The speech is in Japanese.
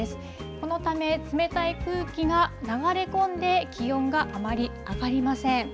このため冷たい空気が流れ込んで気温があまり上がりません。